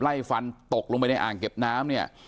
ไล่ฟันตกลงไปในอ่างเก็บน้ำเนี่ย